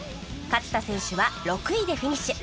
勝田選手は６位でフィニッシュ